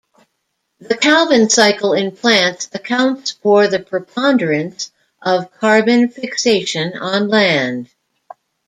The Calvin cycle in plants accounts for the preponderance of carbon fixation on land.